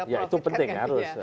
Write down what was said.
ya itu penting harus